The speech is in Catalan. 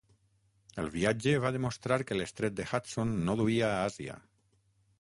El viatge va demostrar que l'estret de Hudson no duia a Àsia.